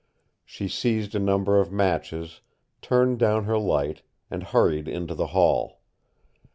She seized a number of matches, turned down her light, and hurried into the hall.